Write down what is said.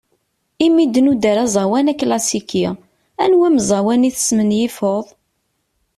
Imi d-nuder aẓawan aklasiki, anwa ameẓẓawan i tesmenyifeḍ?